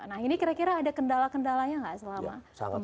nah ini kira kira ada kendala kendalanya nggak selama ini